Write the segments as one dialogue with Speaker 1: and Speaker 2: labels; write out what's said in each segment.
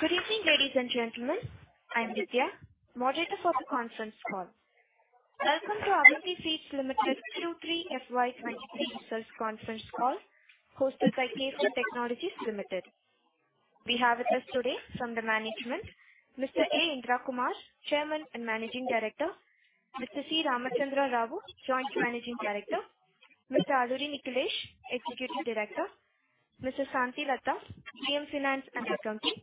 Speaker 1: Good evening, ladies and gentlemen. I'm Vidya, moderator for the conference call. Welcome to Avanti Feeds Limited Q3 FY 2023 results conference call, hosted by KFin Technologies Limited. We have with us today from the management, Mr. A. Indra Kumar, Chairman and Managing Director; Mr. C. Ramachandra Rao, Joint Managing Director; Mr. Alluri Nikhilesh Chowdary, Executive Director; Ms. Santhi Latha, General Manager, Finance and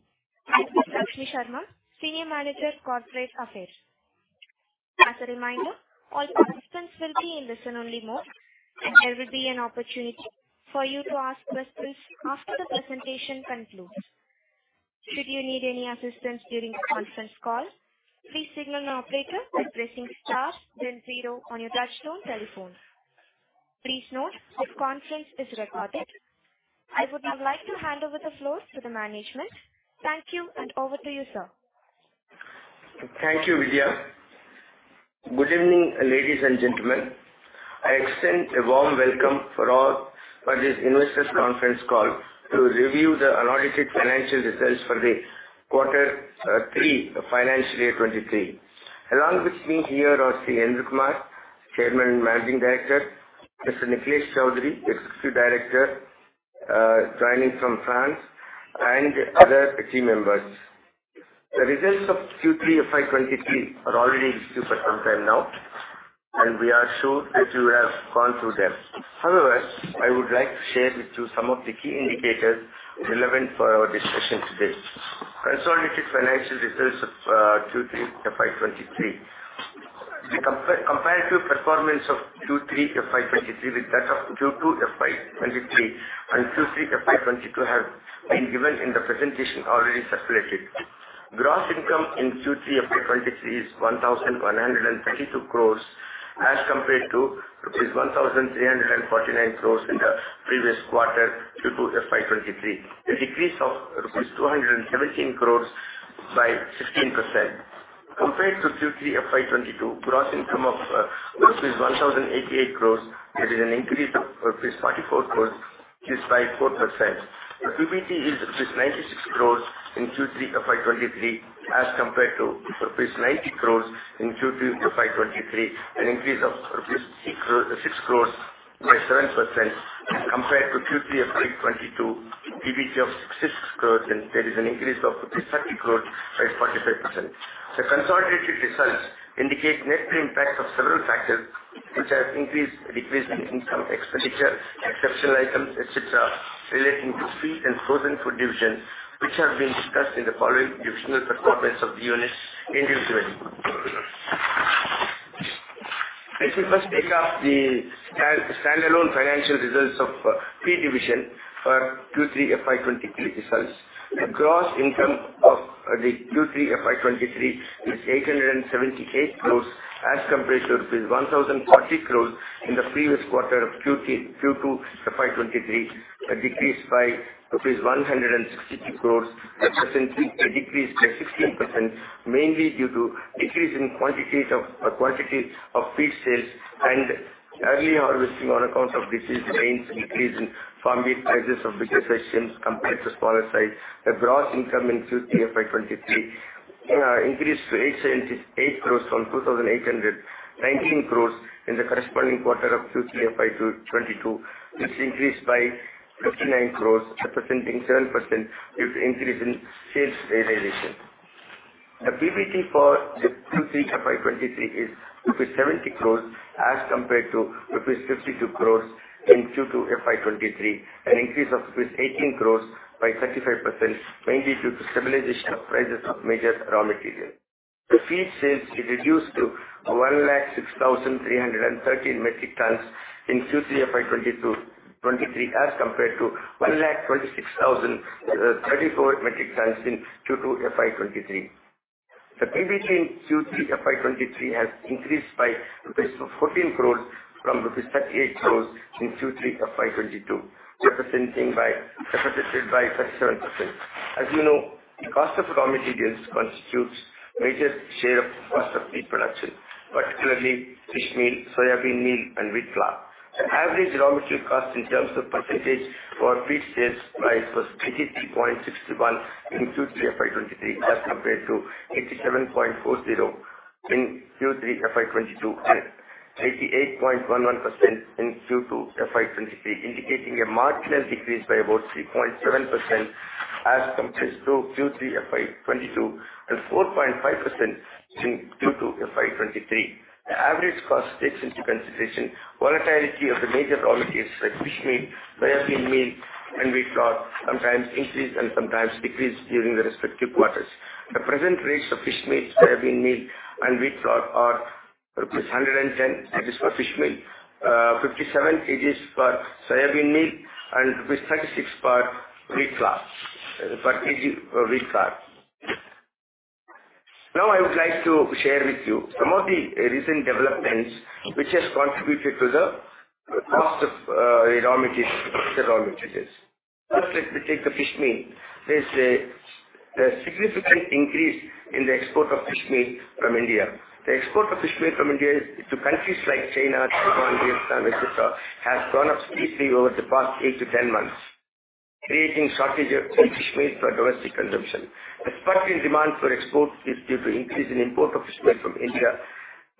Speaker 1: Accounts; and Ms. Lakshmi Sharma, Senior Manager, Corporate Affairs. As a reminder, all participants will be in listen-only mode, and there will be an opportunity for you to ask questions after the presentation concludes. Should you need any assistance during the conference call, please signal an operator by pressing star then zero on your touchtone telephone. Please note, this conference is recorded. I would now like to hand over the floor to the management. Thank you, and over to you, sir.
Speaker 2: Thank you, Vidya. Good evening, ladies and gentlemen. I extend a warm welcome for all for this investors conference call to review the unaudited financial results for the quarter 3, financial year 2023. Along with me here are A. Indra Kumar, Chairman and Managing Director, Mr. Alluri Nikhilesh Chowdary, Executive Director, joining from France, and other team members. The results of Q3 FY 2023 are already issued for some time now, and we are sure that you have gone through them. However, I would like to share with you some of the key indicators relevant for our discussion today. Consolidated financial results of Q3 FY 2023. The comparative performance of Q3 FY 2023 with that of Q2 FY 2023 and Q3 FY 2022 have been given in the presentation already circulated. Gross income in Q3 FY 2023 is 1,132 crore, as compared to INR 1,349 crore in the previous quarter, Q2 FY 2023, a decrease of INR 217 crore by 16%. Compared to Q3 FY 2022, gross income of 1,088 crore, there is an increase of 44 crore, is by 4%. The PBT is 96 crore in Q3 FY 2023, as compared to 90 crore in Q2 FY 2023, an increase of 6 crore by 7%. Compared to Q3 FY 2022, PBT of 66 crore, and there is an increase of 30 crore by 45%. The consolidated results indicate net impact of several factors which have increased, decreased in income, expenditure, exceptional items, et cetera, relating to Feed and Frozen Food division, which have been discussed in the following divisional performance of the units individually. If you first take up the standalone financial results of feed division for Q3 FY 2023 results. The gross income of the Q3 FY 2023 is 878 crore as compared to rupees 1,040 crore in the previous quarter of Q2 FY 2023, a decrease by rupees 162 crore, representing a decrease by 16%, mainly due to decrease in quantities of quantities of feed sales and early harvesting on account of disease rains, increase in farming sizes of bigger sessions compared to smaller size. The gross income in Q3 FY 2023 increased to 878 crore from 2,819 crore in the corresponding quarter of Q3 FY 2022, which increased by 59 crore, representing 7% due to increase in sales realization. The PBT for Q3 FY 2023 is rupees 70 crore as compared to rupees 52 crore in Q2 FY 2023, an increase of rupees 18 crore by 35%, mainly due to stabilization of prices of major Raw Material. The Feed sales is reduced to 106,313 metric tons in Q3 FY 2022/2023, as compared to 126,034 metric tons in Q2 FY 2023. The PBT in Q3 FY 2023 has increased by 14 crore from 38 crore in Q3 FY 2022, represented by 37%. As you know, the cost of raw materials constitutes major share of cost of feed production, particularly fishmeal, soyabean meal, and wheat flour. The average raw material cost in terms of percentage for feed sales price was 83.61% in Q3 FY 2023, as compared to 87.40% in Q3 FY 2022, and 88.11% in Q2 FY 2023, indicating a marginal decrease by about 3.7% as compared to Q3 FY 2022 and 4.5% in Q2 FY 2023. The average cost takes into consideration volatility of the major raw materials like fish meal, soybean meal, and wheat bran, sometimes increase and sometimes decrease during the respective quarters. The present rates of fish meal, soybean meal, and wheat bran are 110 rupees/kg for fish meal, 57/kg for soybean meal, and rupees 36/kg for wheat bran. Now, I would like to share with you some of the recent developments which has contributed to the cost of raw materials, the raw materials. First, let me take the fish meal. There's a significant increase in the export of fish meal from India. The export of fish meal from India to countries like China, Japan, Vietnam, et cetera, has gone up significantly over the past 8-10 months, creating shortage of fishmeal for domestic consumption. The spike in demand for exports is due to increase in import of fish meal from India,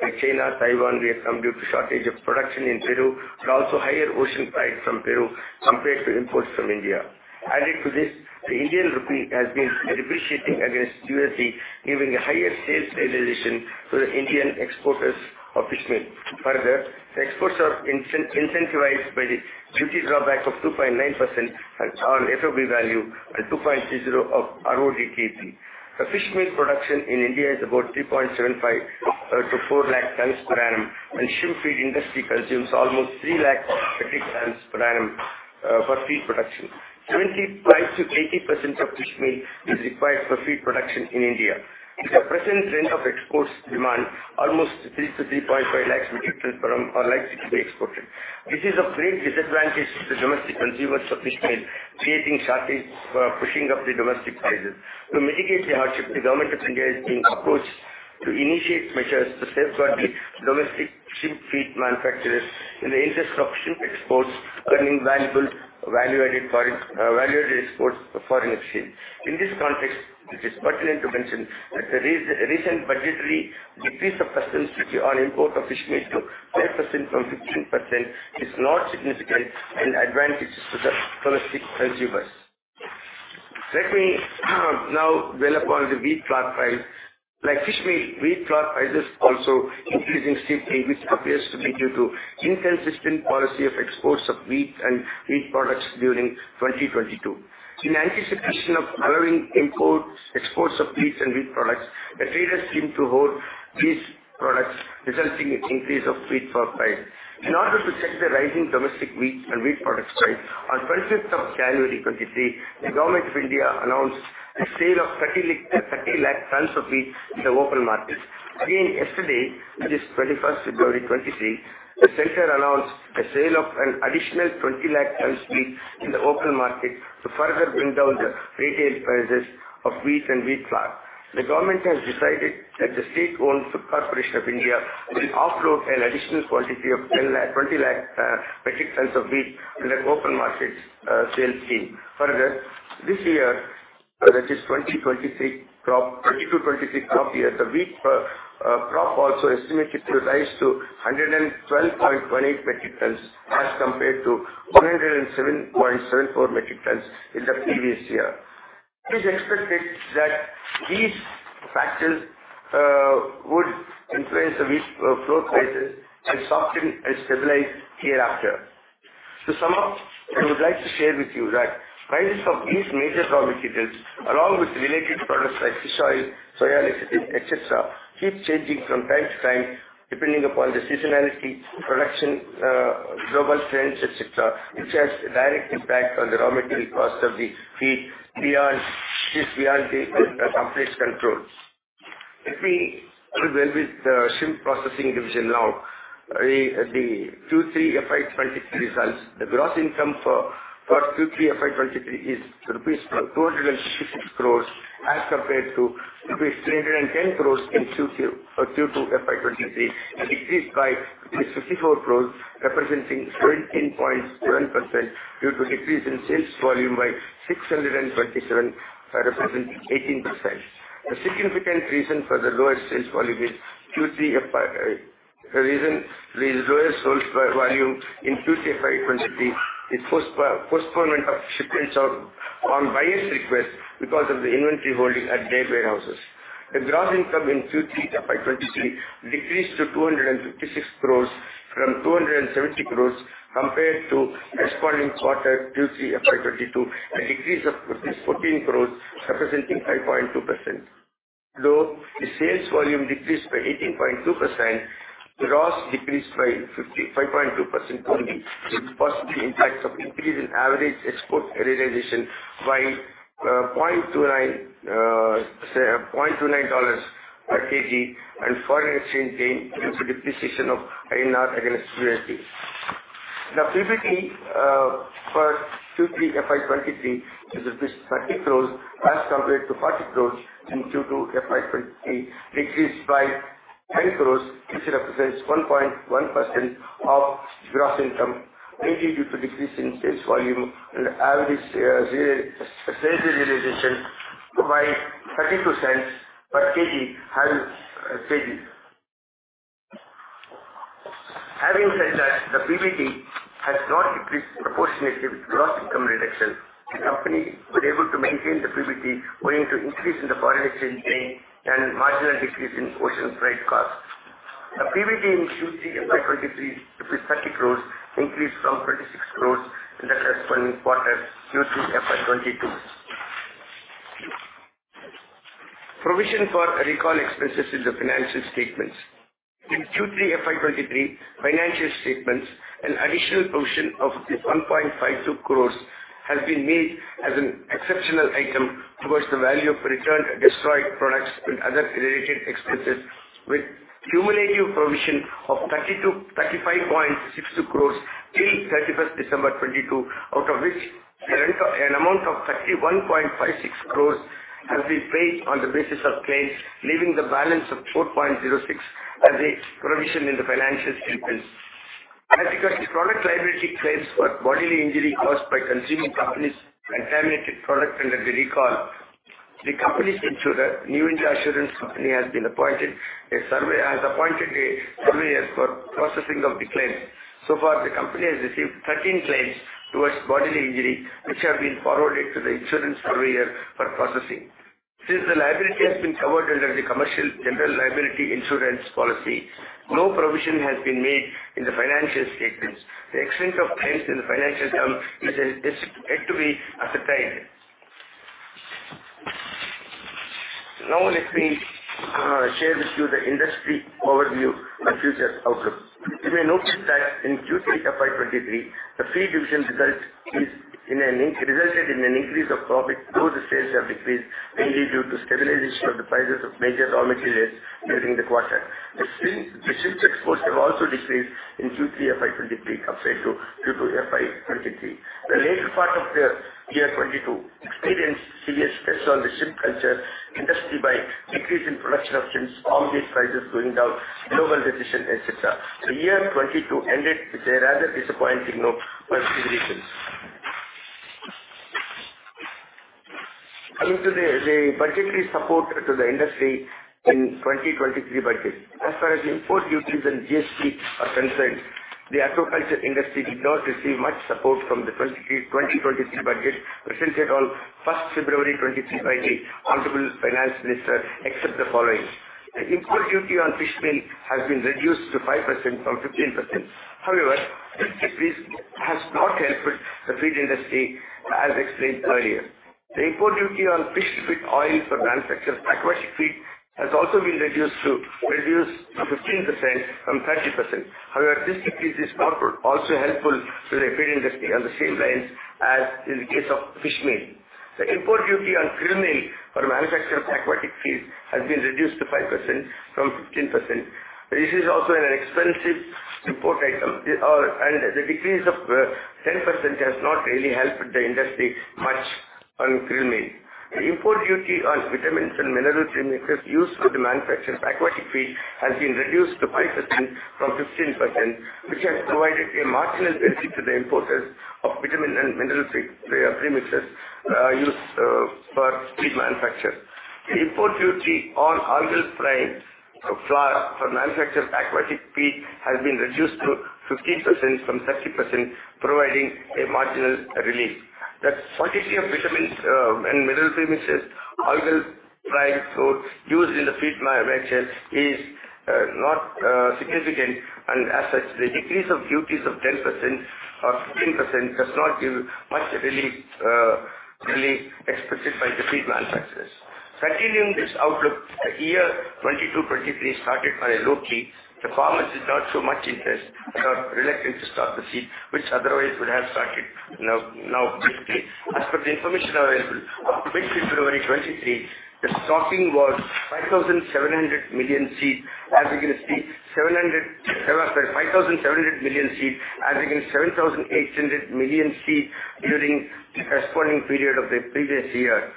Speaker 2: like China, Taiwan, Vietnam, due to shortage of production in Peru, but also higher ocean price from Peru compared to imports from India. Adding to this, the Indian rupee has been depreciating against USD, giving a higher sales realization to the Indian exporters of fish meal. Further, the exports are incentivized by the duty drawback of 2.9% on FOB value and 2.30% of RODTEP. The fish meal production in India is about 3.75-4 lakh tons per annum, and shrimp feed industry consumes almost 3 lakh metric tons per annum, for feed production. 75%-80% of fish meal is required for feed production in India. With the present trend of exports demand, almost 3-3.5 lakh metric tons per annum are likely to be exported. This is a great disadvantage to the domestic consumers of fish meal, creating shortage for pushing up the domestic prices. To mitigate the hardship, the Government of India has been approached to initiate measures to safeguard the domestic Shrimp Feed manufacturers in the interest of shrimp exports, earning valuable value-added foreign, value-added exports for foreign exchange. In this context, it is pertinent to mention that the recent budgetary decrease of customs duty on import of fish meal to 5% from 15% is not significant and advantageous to the domestic consumers. Let me now develop on the wheat flour price. Like fish meal, wheat flour prices also increasing steeply, which appears to be due to inconsistent policy of exports of wheat and wheat products during 2022. In anticipation of allowing import-exports of wheat and wheat products, the traders seem to hold these products, resulting in increase of wheat flour price. In order to check the rising domestic wheat and wheat product price, on twentieth of January 2023, the Government of India announced a sale of 30 lakh tons of wheat in the open market. Again, yesterday, that is, twenty-first of February 2023, the center announced a sale of an additional 20 lakh ton wheat in the open market to further bring down the retail prices of wheat and wheat flour. The government has decided that the state-owned Food Corporation of India will offload an additional quantity of 10 lakh, 20 lakh metric tons of wheat in an open market sale scheme. Further, this year, that is 2023 crop, 2022-2023 crop year, the wheat crop also estimated to rise to 112.28 metric tons as compared to 107.74 metric tons in the previous year. It is expected that these factors would influence the wheat flour prices and soften and stabilize hereafter. To sum up, I would like to share with you that prices of these major raw materials, along with related products like fish oil, soya lecithin, et cetera, keep changing from time to time, depending upon the seasonality, production, global trends, et cetera, which has a direct impact on the raw material cost of the feed beyond, this beyond the company's controls. Let me move on with the shrimp processing division now. The Q3 FY 2023 results, the gross income for Q3 FY 2023 is rupees 256 crores as compared to rupees 310 crores in Q2 FY 2023, a decrease by 54 crores, representing 17.7% due to decrease in sales volume by 627, representing 18%. The significant reason for the lower sales volume in Q3 FY 2023 is postponement of shipments on buyer's request because of the inventory holding at their warehouses. The gross income in Q3 FY 2023 decreased to 256 crores from 270 crores compared to corresponding quarter, Q3 FY 2022, a decrease of 14 crores, representing 5.2%. Though the sales volume decreased by 18.2%, the gross decreased by 55.2% only. The positive impacts of increase in average export realization by $0.29 per kg and foreign exchange gain due to depreciation of INR against the US dollar. The PBT for Q3 FY 2023 is 30 crore as compared to 40 crore in Q2 FY 2023, decreased by 10 crore, which represents 1.1% of gross income, mainly due to decrease in sales volume and average sales realization by $0.32 per kg have changed. Having said that, the PBT has not decreased proportionately with gross income reduction. The company was able to maintain the PBT owing to increase in the foreign exchange gain and marginal decrease in ocean price cost. The PBT in Q3 FY 2023, 30 crore, increased from 26 crore in the corresponding quarter, Q3 FY 2022. Provision for recall expenses in the financial statements. In Q3 FY 2023 financial statements, an additional provision of 1.52 crore has been made as an exceptional item towards the value of returned and destroyed products and other related expenses, with cumulative provision of 32-35.62 crore till 31 December 2022, out of which the amount of 31.56 crore has been paid on the basis of claims, leaving the balance of 4.06 crore as a provision in the financial statements. Because the product liability claims for bodily injury caused by consuming the company's contaminated product under the recall, the company's insurer, New India Assurance Company, has appointed a surveyor for processing of the claim. So far, the company has received 13 claims towards bodily injury, which have been forwarded to the insurance surveyor for processing. Since the liability has been covered under the Commercial General Liability insurance policy, no provision has been made in the financial statements. The extent of claims in the financial term is yet to be ascertained. Now, let me share with you the industry overview and future outlook. You may notice that in Q3 of FY 2023, the feed division resulted in an increase of profit, though the sales have decreased, mainly due to stabilization of the prices of major raw materials during the quarter. The shrimp, the shrimp exports have also decreased in Q3 FY 2023 compared to Q2 FY 2023. The later part of the year 2022 experienced severe stress on the shrimp culture industry by increase in production of shrimps, farm gate prices going down, global recession, et cetera. The year 2022 ended with a rather disappointing note for several reasons. Coming to the budgetary support to the industry in 2023 budget. As far as import duties and GST are concerned, the aquaculture industry did not receive much support from the 2023 budget presented on first February 2023 by the Honorable Finance Minister, except the following: The import duty on fish meal has been reduced to 5% from 15%. However, this decrease has not helped the feed industry, as explained earlier. The import duty on fish oil for manufacture of aquatic feed has also been reduced to fifteen percent from 30%. However, this decrease is not also helpful to the feed industry on the same lines as in the case of fish meal. The import duty on krill meal for manufacture of aquatic feed has been reduced to 5% from 15%. This is also an expensive import item, and the decrease of 10% has not really helped the industry much on krill meal. The import duty on vitamins and mineral premixes used for the manufacture of aquatic feed has been reduced to 5% from 15%, which has provided a marginal relief to the importers of vitamin and mineral premixes used for feed manufacture. The import duty on algal flour for manufacture of aquatic feed has been reduced to 15% from 30%, providing a marginal relief. The quantity of vitamins and mineral premixes, algal flour used in the feed manufacture is not significant, and as such, the decrease of duties of 10% or 15% does not give much relief expected by the feed manufacturers. Continuing this outlook, the year 2022-2023 started on a low key. The farmers did not show much interest and are reluctant to stock the seed, which otherwise would have started now, now quickly. As per the information available up to mid-February 2023, the stocking was 5,700 million seed as against 7,800 million seed during the corresponding period of the previous year.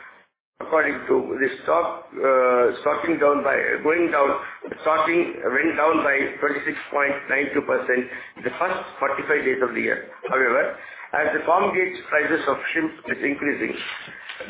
Speaker 2: According to the stocking, the stocking went down by 26.92% in the first 45 days of the year. However, as the farm gate prices of shrimp is increasing,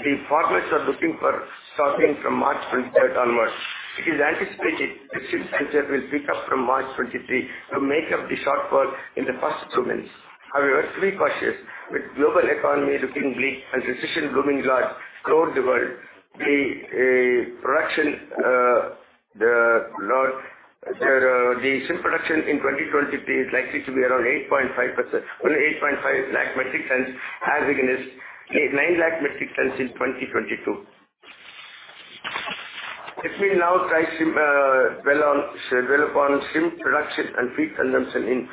Speaker 2: the farmers are looking for stocking from March 23 onwards. It is anticipated the shrimp sector will pick up from March 2023 to make up the shortfall in the first two months. However, three questions: With global economy looking bleak and recession looming large throughout the world, the production, the shrimp production in 2023 is likely to be around 8.5%—only 850,000 metric tons, as against 900,000 metric tons in 2022. Let me now try, well, on, develop on shrimp production and feed consumption in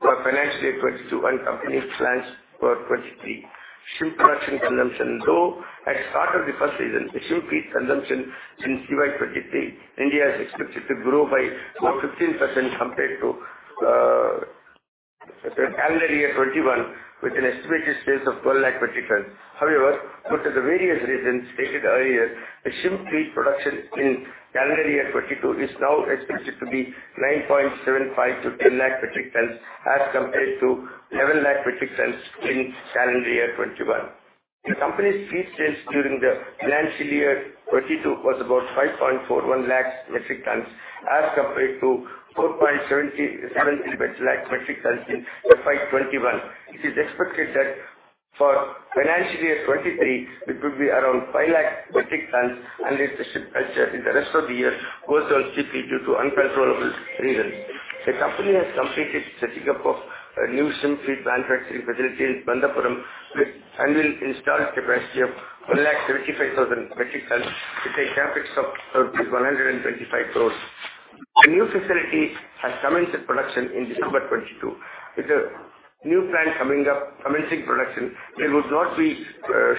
Speaker 2: for financial year 2022, and company plans for 2023. Shrimp production consumption, though at start of the first season, the shrimp feed consumption in FY 2023, India is expected to grow by about 15% compared to calendar year 2021, with an estimated sales of 1,200,000 metric tons. However, due to the various reasons stated earlier, the shrimp feed production in calendar year 2022 is now expected to be 9.75-10 lakh metric tons as compared to 11 lakh metric tons in calendar year 2021. The company's feed sales during the financial year 2022 was about 5.41 lakh metric tons as compared to 4.77 lakh metric tons in FY 2021. It is expected that for financial year 2023, it will be around 5 lakh metric tons, unless the shrimp culture in the rest of the year goes down cheaply due to uncontrollable reasons. The company has completed setting up of a new shrimp feed manufacturing facility in Bandapuram with annual installed capacity of 1.35 lakh metric tons, with a CapEx of roughly 125 crore. The new facility has commenced the production in December 2022. With the new plant coming up, commencing production, there would not be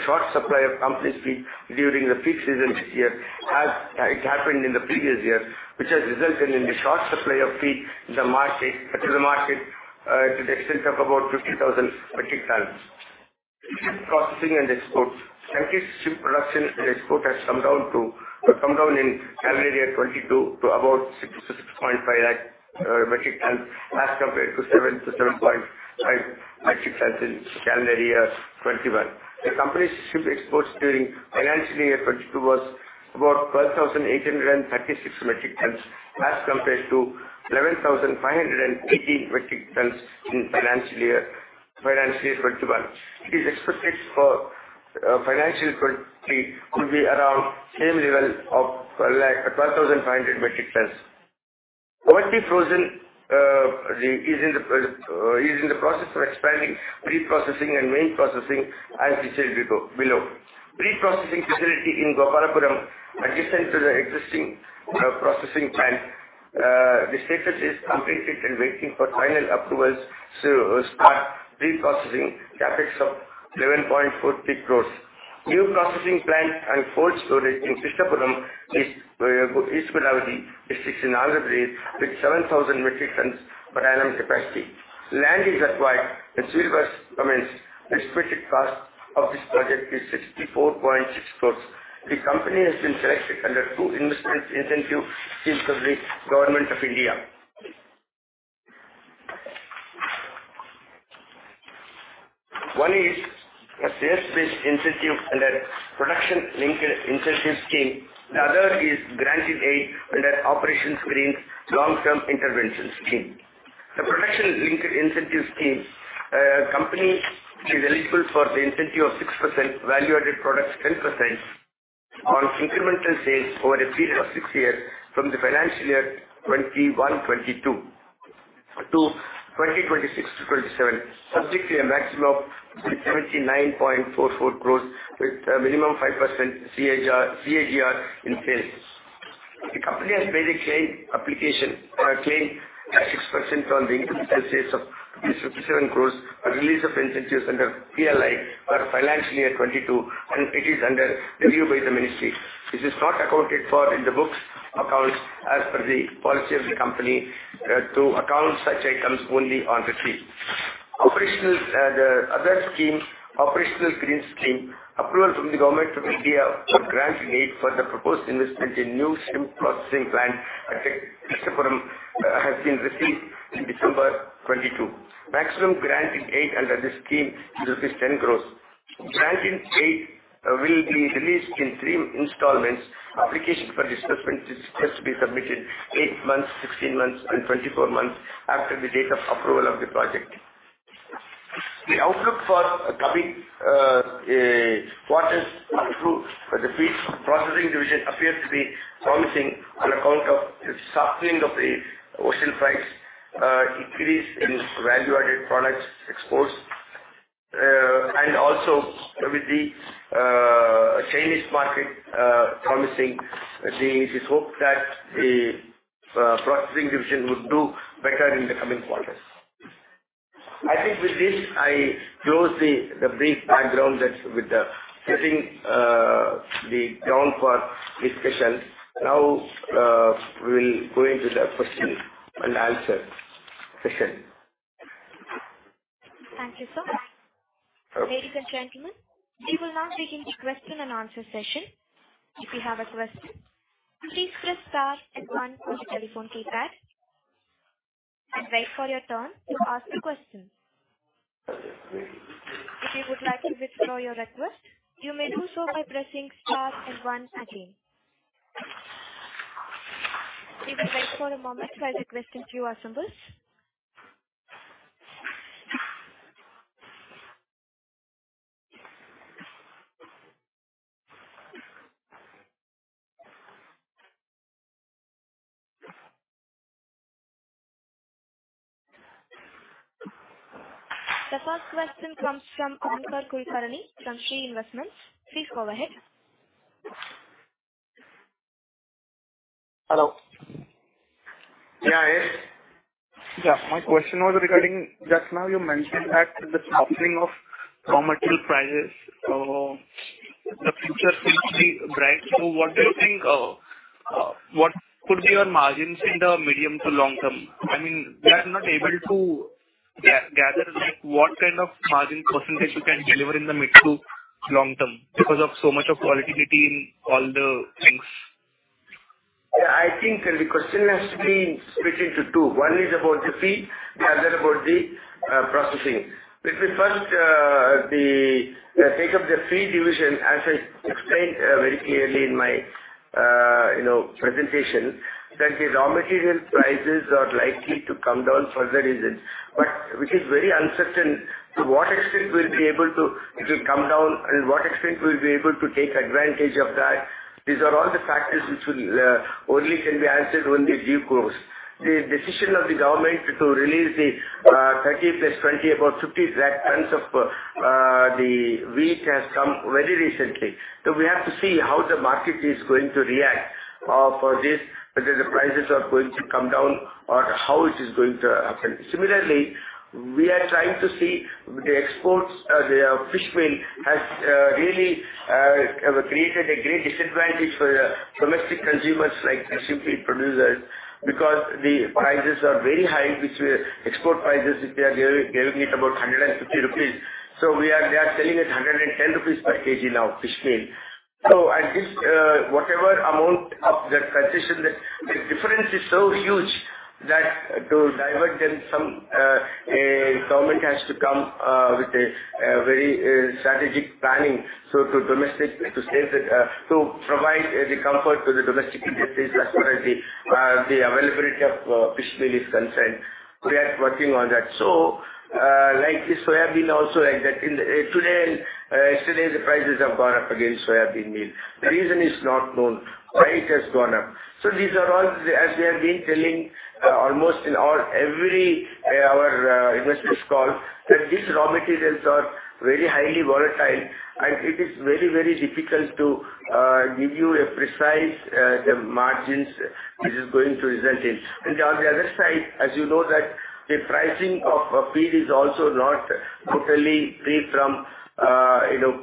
Speaker 2: short supply of company's feed during the peak season this year, as it happened in the previous year, which has resulted in the short supply of feed in the market, to the market, to the extent of about 50,000 metric tons. Processing and exports. Shrimp production and export has come down in calendar year 2022 to about 6.5 lakh metric tons as compared to 7-7.5 metric tons in calendar year 2021. The company's shrimp exports during financial year 2022 was about 12,836 metric tons, as compared to 11,580 metric tons in financial year 2021. It is expected for financial 2023 could be around the same level of 1,212,500 metric tons. Avanti Frozen is in the process of expanding pre-processing and main processing, as detailed below. Pre-processing facility in Gopalapuram adjacent to the existing processing plant. The status is completed and waiting for final approvals to start pre-processing CapEx of 11.43 crores. New processing plant and cold storage in Krishnapuram is East Godavari district in Andhra Pradesh, with 7,000 metric tons per annum capacity. Land is acquired, and civil works commenced. Estimated cost of this project is 64.6 crores. The company has been selected under two investment incentive schemes of the Government of India. One is a sales-based incentive under Production-Linked Incentive scheme. The other is granted aid under Operation Greens Long Term Intervention scheme. The Production-Linked Incentive scheme, company is eligible for the incentive of 6%, value-added products 10% on incremental sales over a period of 6 years from the financial year 2021-22 to 2026-27, subject to a maximum of 79.44 crore, with a minimum of 5% CAGR, CAGR in sales. The company has made a claim application on a claim at 6% on the incremental sales of 57 crore, a release of incentives under PLI for financial year 2022, and it is under review by the ministry. This is not accounted for in the books accounts as per the policy of the company, to account such items only on receipt. Operational, the other scheme, Operation Greens Scheme, approval from the Government of India for granting aid for the proposed investment in new shrimp processing plant at Krishnapuram, has been received in December 2022. Maximum granting aid under this scheme will be 10 crore. Grant-in-aid will be released in three installments. Application for disbursement is yet to be submitted eight months, 16 months, and 24 months after the date of approval of the project. The outlook for coming quarters are good, but the feed processing division appears to be promising on account of the softening of the ocean prices, increase in value-added products exports, and also with the Chinese market promising, it is hoped that the processing division would do better in the coming quarters. I think with this, I close the brief background that with the setting, the tone for discussion. Now, we'll go into the question-and-answer session.
Speaker 1: Thank you, sir.
Speaker 2: Okay.
Speaker 1: Ladies and gentlemen, we will now begin the question-and-answer session. If you have a question, please press star and one on your telephone keypad and wait for your turn to ask a question. If you would like to withdraw your request, you may do so by pressing star and one again. Please wait for a moment while requesting queue assemblies. The first question comes from Onkar Kulkarni, Shree Investments. Please go ahead.
Speaker 3: Hello.
Speaker 2: Yeah, yes.
Speaker 3: Yeah. My question was regarding just now you mentioned that the softening of raw material prices, the future seems to be bright. So what do you think, what could be your margins in the medium to long term? I mean, we are not able to gather, like, what kind of margin percentage you can deliver in the mid to long term because of so much of volatility in all the things.
Speaker 2: Yeah, I think the question has to be split into two. One is about the feed, the other about the processing. Let me first take up the feed division, as I explained very clearly in my, you know, presentation, that the raw material prices are likely to come down for the reasons, but which is very uncertain to what extent it will come down, and what extent we'll be able to take advantage of that. These are all the factors which will only can be answered in due course. The decision of the government to release the 30 + 20, about 5,000,000 tons of the wheat has come very recently. So we have to see how the market is going to react for this, whether the prices are going to come down or how it is going to affect. Similarly, we are trying to see the exports, the fish meal has really created a great disadvantage for the domestic consumers, like fish meal producers, because the prices are very high, which were export prices, which they are giving, giving it about 150 rupees. So they are selling it 110 rupees per kg now, fish meal. So I think, whatever amount of that transition, the difference is so huge that to divert in some, government has to come with a very strategic planning. So to domestic, to save it, to provide the comfort to the domestic industries as far as the, the availability of, fish meal is concerned. We are working on that. So, like this soya bean also like that. In today and yesterday, the prices have gone up again, soya bean meal. The reason is not known why it has gone up. So these are all, as we have been telling, almost in all, every, our, investors call, that these raw materials are very highly volatile, and it is very, very difficult to, give you a precise, margins it is going to result in. And on the other side, as you know, that the pricing of feed is also not totally free from, you know,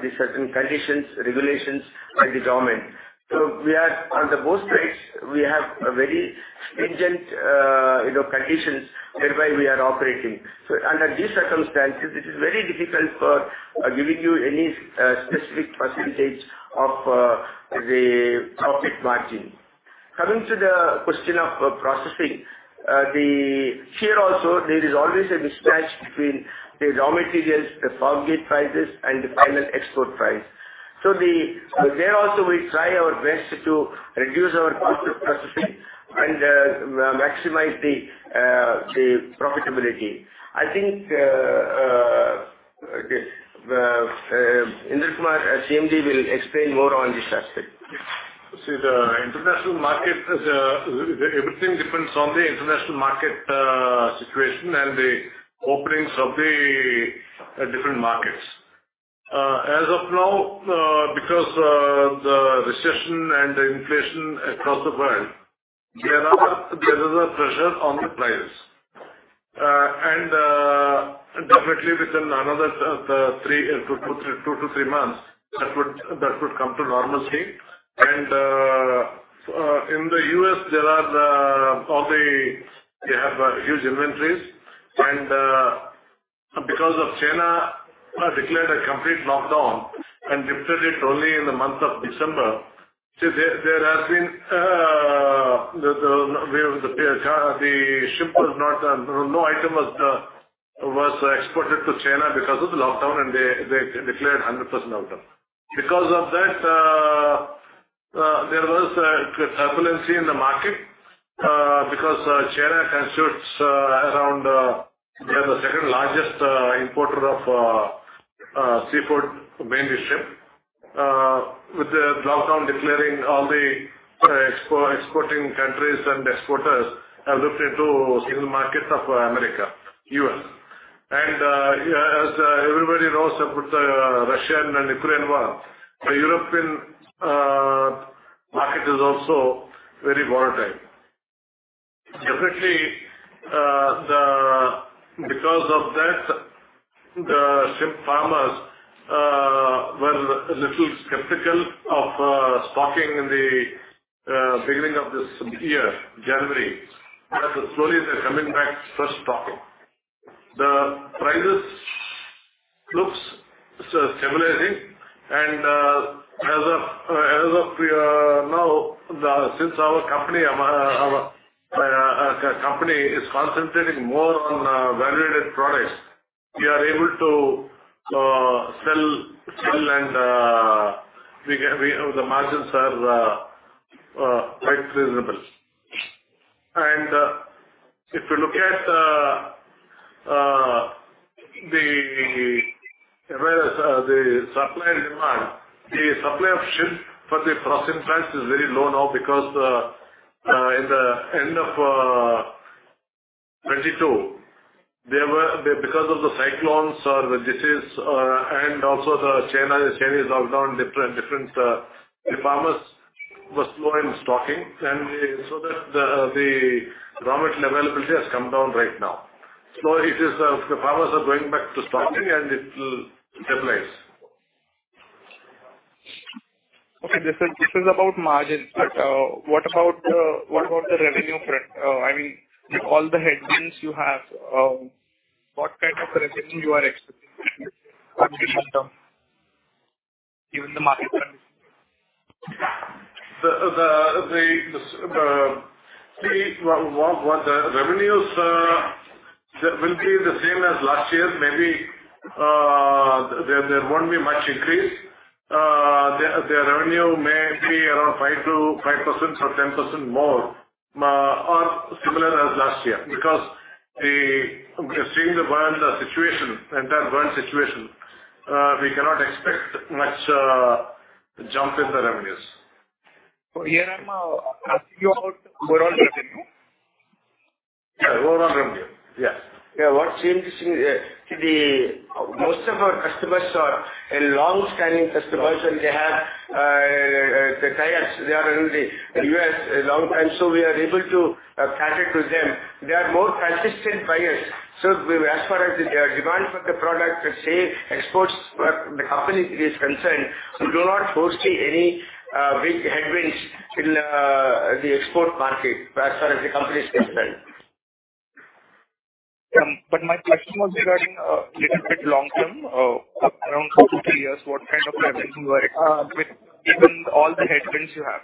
Speaker 2: the certain conditions, regulations by the government. So we are, on the both sides, we have a very stringent, you know, conditions whereby we are operating. So under these circumstances, it is very difficult for giving you any specific percentage of the profit margin. Coming to the question of processing. Here also, there is always a mismatch between the raw materials, the farm gate prices, and the final export price. So there also we try our best to reduce our cost of processing and maximize the profitability. I think, okay, Indra Kumar, as CMD, will explain more on this aspect.
Speaker 4: Yes. See, the international market is everything depends on the international market situation and the openings of the different markets. As of now, because the recession and the inflation across the world, there is a pressure on the players. And definitely within another two to three months, that would come to normalcy. And in the US, there are the all the, they have huge inventories, and because of China declared a complete lockdown and lifted it only in the month of December. So there has been the the the the ship was not no item was was exported to China because of the lockdown, and they they declared 100% lockdown. Because of that, there was turbulence in the market, because China constitutes around, they are the second largest importer of seafood, mainly shrimp. With the lockdown declaring all the exporting countries and exporters have looked into single market of America, US. And, as everybody knows about the Russia-Ukraine war, the European market is also very volatile. Definitely, because of that, the shrimp farmers were a little skeptical of stocking in the beginning of this year, January, but slowly they're coming back to restocking. The prices looks stabilizing, and, as of now, since our company, our company is concentrating more on value-added products, we are able to sell. The margins are quite reasonable. If you look at the whereas the supply and demand, the supply of shrimp for the processing plants is very low now because in the end of 2022, there were because of the cyclones or the disease, and also the China, China's lockdown, different, different the farmers were slow in stocking, and so that the raw material availability has come down right now. So it is the farmers are going back to stocking, and it will stabilize.
Speaker 3: Okay, this is about margins, but, what about the revenue trend? I mean, with all the headwinds you have, what kind of revenue you are expecting from this term, given the market trend?
Speaker 4: The revenues will be the same as last year. Maybe there won't be much increase. The revenue may be around 5% or 10% more, or similar as last year. Because seeing the world situation, entire world situation, we cannot expect much jump in the revenues.
Speaker 3: Here I'm asking you about overall revenue?
Speaker 4: Yeah, overall revenue. Yes.
Speaker 2: Yeah. What seems to be, most of our customers are long-standing customers, and they have the ties. They are in the US a long time, so we are able to cater to them. They are more consistent buyers. So we, as far as the demand for the product, the same exports for the company is concerned, we do not foresee any big headwinds in the export market as far as the company is concerned.
Speaker 3: But my question was regarding little bit long term, around two to three years, what kind of revenue you are with, even all the headwinds you have?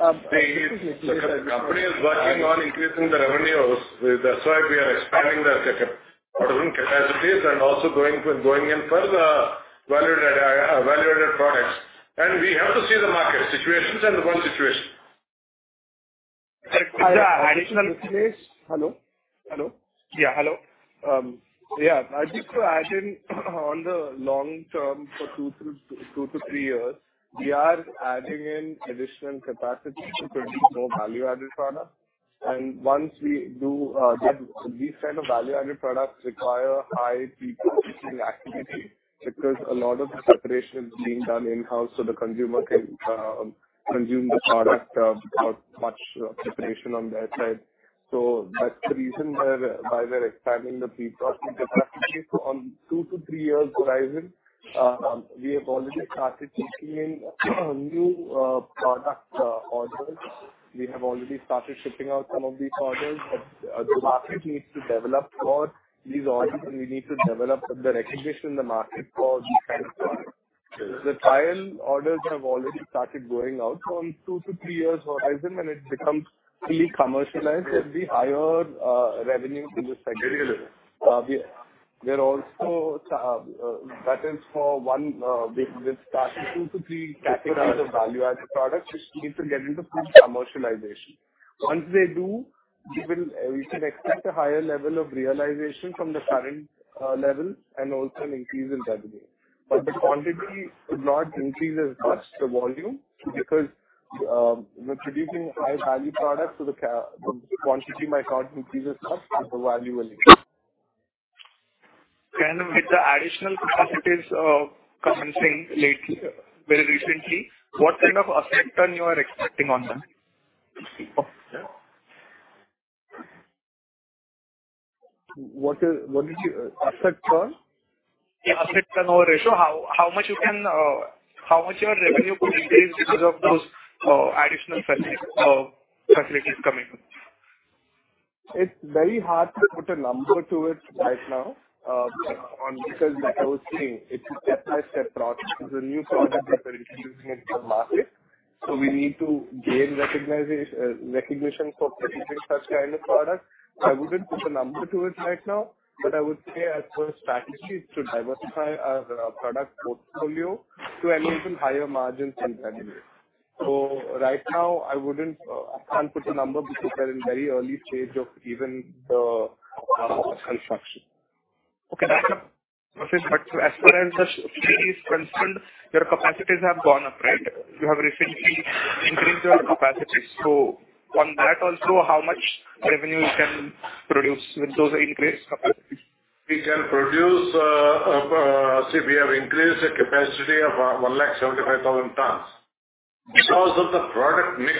Speaker 4: The company is working on increasing the revenues. That's why we are expanding the second ordering capacities and also going in for the value-added products. We have to see the market situations and the world situation.
Speaker 5: Additional case. Hello? Hello. Yeah, hello. Yeah, I just to add in on the long term for two to three years, we are adding in additional capacity to produce more value-added product. And once we do, this, these kind of value-added products require high people activity because a lot of the preparation is being done in-house, so the consumer can consume the product without much preparation on their side. So that's the reason why we're expanding the pre-processing capacity. So on two to three years horizon, we have already started taking in new product orders. We have already started shipping out some of these orders, but the market needs to develop for these orders, and we need to develop the recognition in the market for these kinds of products. The trial orders have already started going out from two to three years horizon, and it becomes fully commercialized as we hire, revenue in this sector. We are also, that is for one, we started two to three categories of value-added products, which need to get into full commercialization. Once they do, we should expect a higher level of realization from the current levels and also an increase in revenue. The quantity would not increase as much, the volume, because we're producing high-value products, so the quantity might not increase as much, but the value will increase.
Speaker 3: With the additional capacities, lately, very recently, what kind of asset turn you are expecting on them?
Speaker 5: What is, what did you, asset turn?
Speaker 3: The asset turnover ratio, how much you can, how much your revenue could increase because of those additional facilities coming in?
Speaker 5: It's very hard to put a number to it right now, because, like I was saying, it's a step-by-step process. It's a new product that we're introducing in the market, so we need to gain recognition for producing such kind of products. I wouldn't put a number to it right now, but I would say as per strategy, it's to diversify our product portfolio to enable even higher margins and revenue. So right now, I wouldn't, I can't put a number because we're in very early stage of even the construction.
Speaker 3: Okay, that's a process. But as far as the company is concerned, your capacities have gone up, right? You have recently increased your capacity. So on that also, how much revenue you can produce with those increased capacities?
Speaker 4: We can produce, see, we have increased the capacity of 175,000 tons. Because of the product mix,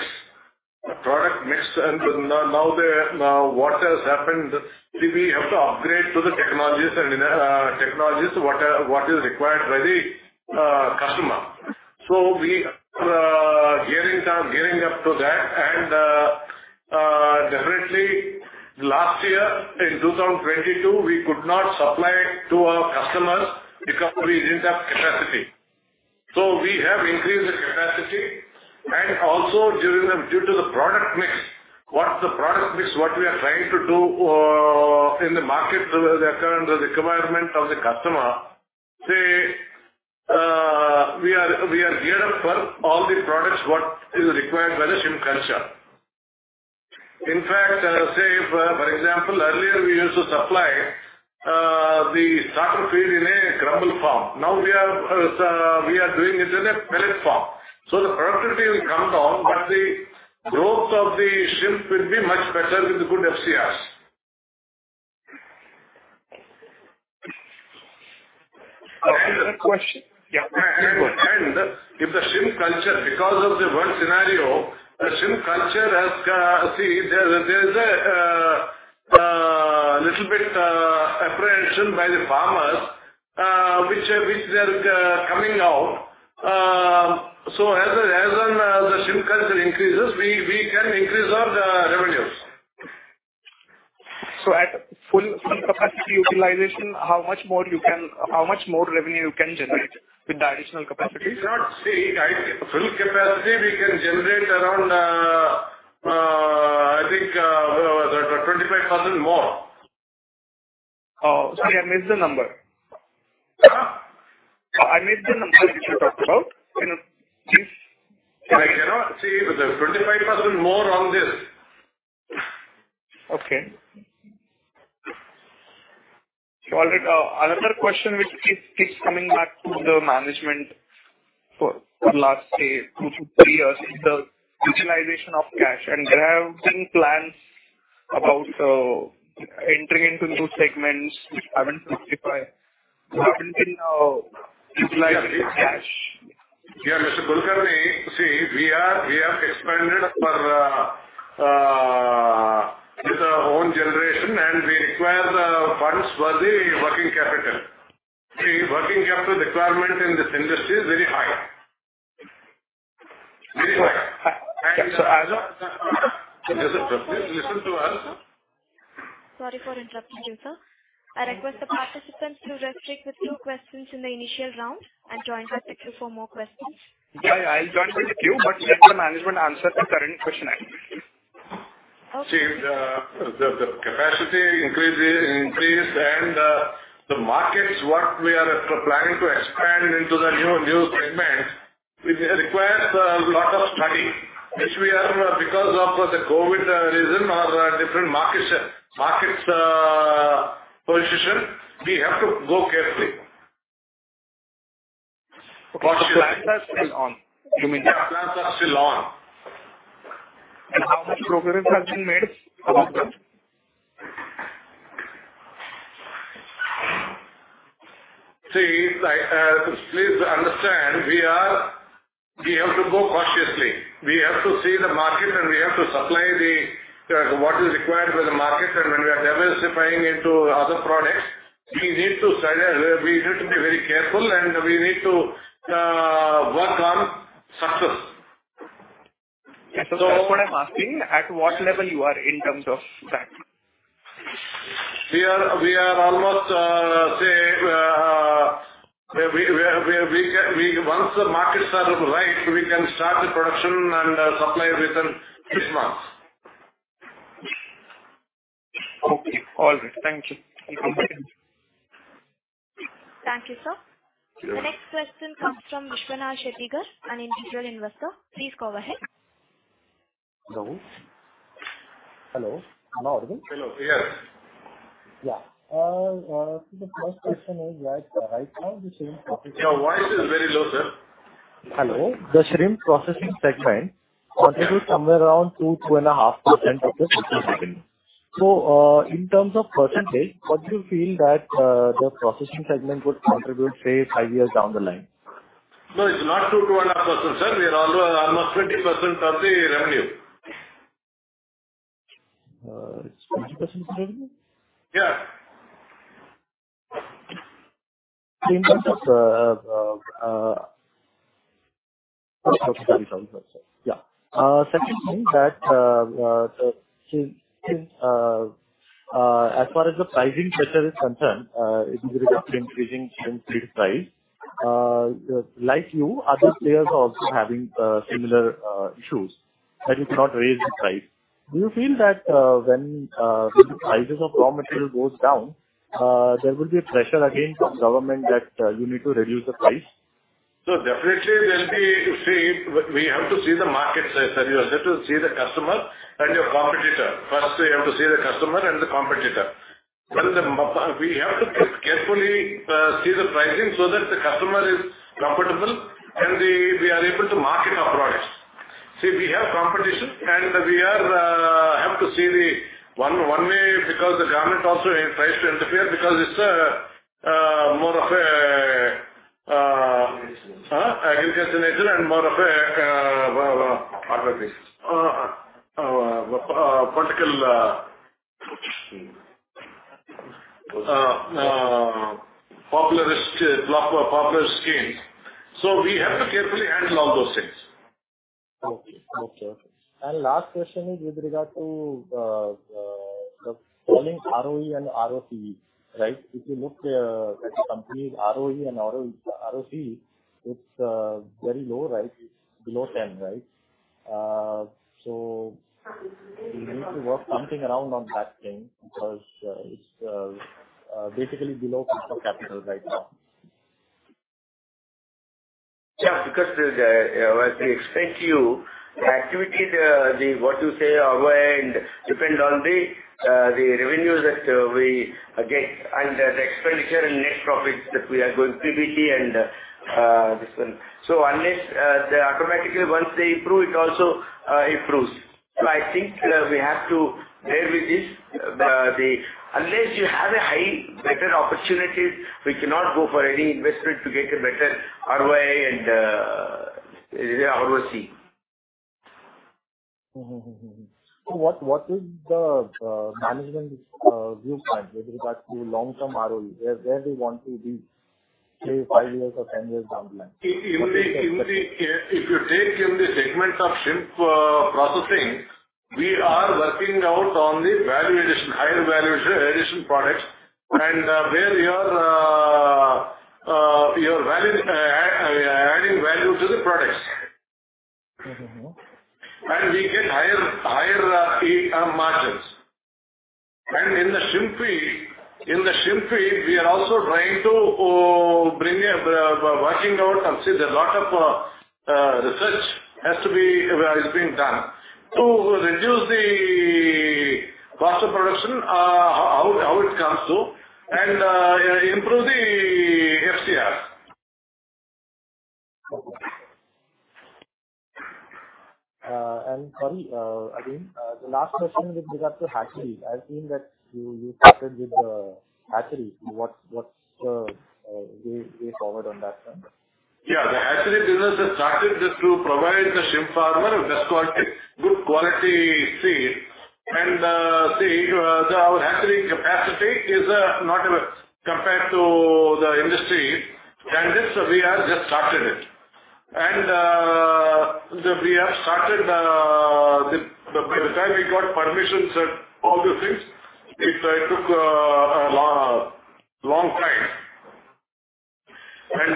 Speaker 4: the product mix and now what has happened, we have to upgrade to the technologies and technologies, what is required by the customer. We are gearing up, gearing up to that, and definitely last year, in 2022, we could not supply to our customers because we did not have capacity. We have increased the capacity, and also during the—due to the product mix, what the product mix, what we are trying to do in the market, as per the requirement of the customer, say, we are geared up for all the products what is required by the shrimp culture. In fact, say, for example, earlier we used to supply the starter feed in a crumble form. Now we are doing it in a pellet form. So the productivity will come down, but the growth of the shrimp will be much better with the good FCRs.
Speaker 3: Another question. Yeah.
Speaker 4: And if the shrimp culture, because of the world scenario, the shrimp culture has, see, there is a little bit apprehension by the farmers, which they are coming out. So as the shrimp culture increases, we can increase our revenues.
Speaker 3: At full capacity utilization, how much more revenue you can generate with the additional capacity?
Speaker 4: We cannot say. At full capacity, we can generate around, I think, 25,000 more.
Speaker 3: Oh, sorry, I missed the number.
Speaker 4: Huh?
Speaker 3: I missed the number which you talked about. Can you please?
Speaker 4: I cannot say, but the 25,000 more on this.
Speaker 3: Okay. All right, another question which keeps coming back to the management for the last, say, two to three years, is the utilization of cash. There have been plans about entering into new segments which haven't been justified, which haven't been utilized in cash.
Speaker 4: Yeah, Mr. Kulkarni, see, we are, we have expanded our, with our own generation, and we acquire, working capital requirement in this industry is very high. Very high.
Speaker 3: As of-
Speaker 4: Please listen to us.
Speaker 1: Sorry for interrupting you, sir. I request the participants to restrict with two questions in the initial round and join the queue for more questions.
Speaker 3: Yeah, yeah, I'll join with the queue, but let the management answer the current question I asked.
Speaker 1: Okay.
Speaker 4: See, the capacity increases and the markets what we are planning to expand into the new segments, it requires a lot of study, which we are, because of the COVID reason or different markets position, we have to go carefully.
Speaker 3: What plans are still on? You mean-
Speaker 4: Yeah, plans are still on.
Speaker 3: How much progress has been made on them?
Speaker 4: See, please understand, we are—we have to go cautiously. We have to see the market, and we have to supply the what is required by the market. And when we are diversifying into other products, we need to study, we need to be very careful, and we need to work on success.
Speaker 3: Yes, so what I'm asking, at what level you are in terms of that?
Speaker 4: We are almost, say, once the markets are right, we can start the production and supply within six months.
Speaker 3: Okay. All right. Thank you.
Speaker 1: Thank you, sir. The next question comes from Vishwanath Shettigar, an individual investor. Please go ahead. Hello? Hello, am I audible?
Speaker 4: Hello. We hear. Yeah. The first question is that right now, the shrimp- Your voice is very low, sir. Hello. The shrimp processing segment contributes somewhere around 2%-2.5% of the total segment. So, in terms of percentage, what do you feel that, the processing segment would contribute, say, 5 years down the line? No, it's not 2%-2.5%, sir. We are almost, almost 20% of the revenue. 20% of the revenue? Yeah. In terms of, secondly, as far as the pricing pressure is concerned, with regard to increasing shrimp price, like you, other players are also having similar issues, that you cannot raise the price. Do you feel that when the prices of raw material goes down, there will be a pressure again from government that you need to reduce the price? So definitely there'll be. See, we have to see the market, sir. You have to see the customer and your competitor. First, you have to see the customer and the competitor. When we have to carefully see the pricing so that the customer is comfortable and we are able to market our products. See, we have competition, and we have to see the one way, because the government also tries to interfere because it's more of a agriculture nature and more of a political populist scheme. So we have to carefully handle all those things. Okay. Okay. And last question is with regard to the following ROE and ROCE, right? If you look at the company's ROE and ROCE, it's very low, right? It's below 10, right? So you need to work something around on that thing, because it's basically below cost of capital right now. Yeah, because as we explained to you, the activities, what you say, ROE, depend on the revenue that we get and the expenditure and net profits that we are going to EBITDA, and this one. So unless they automatically, once they improve, it also improves. So I think we have to bear with this. Unless you have a high, better opportunity, we cannot go for any investment to get a better ROE and ROCE. Mm-hmm. Mm-hmm. So what is the management viewpoint with regard to long-term ROE, where they want to be, say, five years or 10 years down the line? If you take in the segment of shrimp processing, we are working out on the value addition, higher value addition products, and where you are, you're adding value, adding value to the products. Mm-hmm. And we get higher, higher margins. And in the shrimp feed, in the shrimp feed, we are also trying to bring a working out and see there's a lot of research has to be is being done to reduce the cost of production, how, how it comes to, and improve the FCR. Okay. And sorry, again, the last question is with regard to hatchery. I've seen that you started with the hatchery. What's the way forward on that front? Yeah, the hatchery business has started just to provide the shrimp farmer with just quality, good quality seed, and our hatchery capacity is not compared to the industry, and this we have just started it. And we have started the by the time we got permissions and all those things, it took a long, long time. And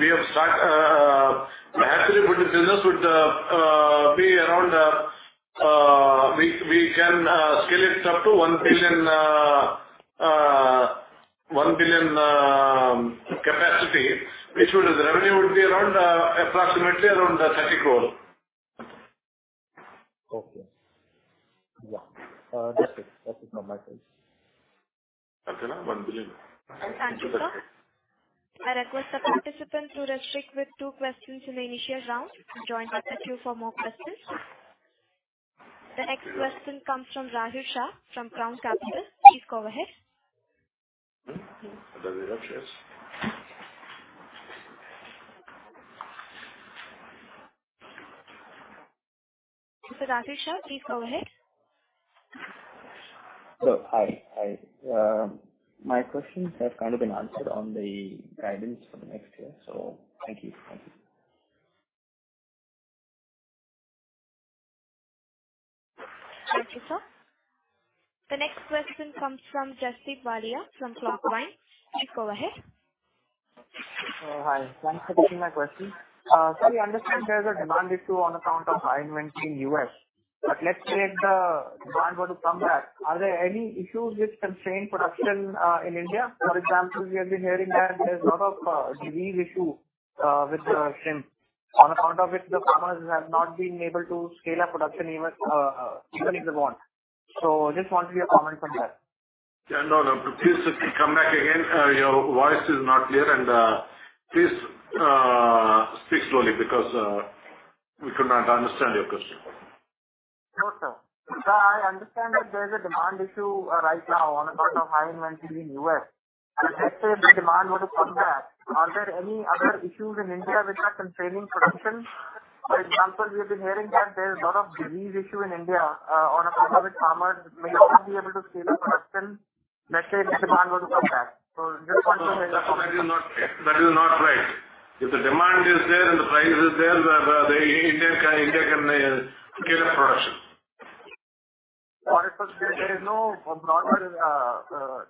Speaker 4: we have start hatchery with the business would be around we can scale it up to 1 billion 1 billion capacity, which would the revenue would be around approximately around 30 crore.
Speaker 6: Okay. Yeah. That's it. That's it from my side.
Speaker 4: Arjuna, INR 1 billion.
Speaker 1: Thank you, sir. I request the participant to restrict with two questions in the initial round, join back the queue for more questions. The next question comes from Rahul Shah, from Crown Capital. Please go ahead.
Speaker 4: Hmm? Rahul Shah.
Speaker 1: Mr. Rahul Shah, please go ahead.
Speaker 6: Sir, hi, hi. My questions have kind of been answered on the guidance for the next year, so thank you. Thank you.
Speaker 1: Thank you, sir. The next question comes from Jasdeep Walia, from Clockvine. Please go ahead.
Speaker 7: Hi. Thanks for taking my question. So we understand there's a demand issue on account of high inventory in US, but let's say the demand were to come back, are there any issues which constrain production in India? For example, we have been hearing that there's a lot of disease issue with the shrimp, on account of which the farmers have not been able to scale up production even if they want. So just want your comment on that.
Speaker 4: Yeah, no, no. Please come back again. Your voice is not clear, and please speak slowly because we could not understand your question.
Speaker 7: Sure, sir. Sir, I understand that there's a demand issue, right now on account of high inventory in US. And let's say the demand were to come back, are there any other issues in India which are constraining production? For example, we have been hearing that there's a lot of disease issue in India, on account of which farmers may not be able to scale up production. Let's say if the demand were to come back. So just want to know your comment.
Speaker 4: That is not, that is not right. If the demand is there and the price is there, India can scale up production.
Speaker 7: Got it. So there is no, not,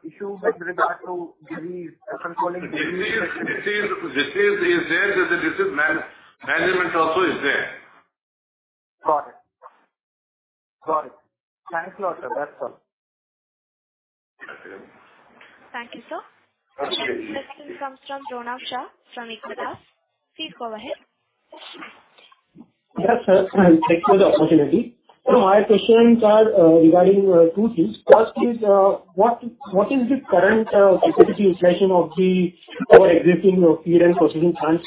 Speaker 7: issue with regard to disease controlling-
Speaker 4: Disease is there, but the disease management also is there.
Speaker 7: Got it. Got it. Thanks a lot, sir. That's all.
Speaker 1: Thank you, sir.
Speaker 4: Okay.
Speaker 1: The next question comes from Ronak Shah, from Equitas. Please go ahead.
Speaker 8: Yes, sir. Thank you for the opportunity. My questions are regarding two things. First is, what is the current capacity utilization of our existing feed and processing plants?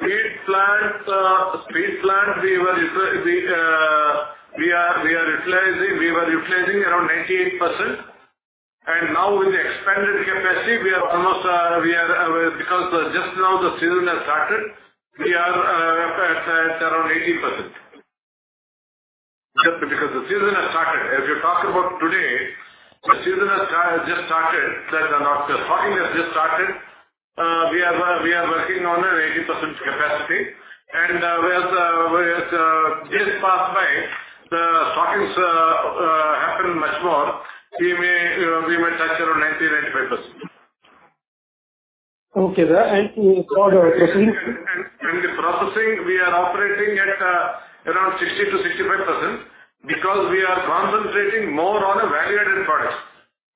Speaker 4: Feed plants, feed plants, we are utilizing, we were utilizing around 98%, and now with the expanded capacity, we are almost, we are, because just now the season has started, we are, at, at around 80%. Just because the season has started. If you talk about today, the season has just started, so the stocking has just started. We are working on an 80% capacity, and with days passed by, the stockings happen much more, we may touch around 90-95%.
Speaker 8: Okay, sir. For the processing-
Speaker 4: In the processing, we are operating at around 60%-65%, because we are concentrating more on the value-added